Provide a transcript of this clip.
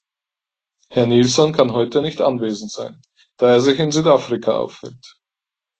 Herr Nielson kann heute nicht anwesend sein, da er sich in Südafrika aufhält.